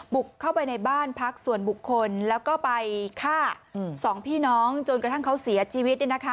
บุกเข้าไปในบ้านพักส่วนบุคคลแล้วก็ไปฆ่าสองพี่น้องจนกระทั่งเขาเสียชีวิต